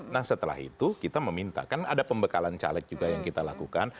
nah setelah itu kita meminta kan ada pembekalan caleg juga yang kita lakukan